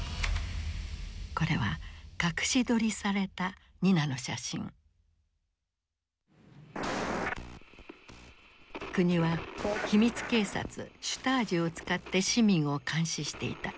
これは国は秘密警察シュタージを使って市民を監視していた。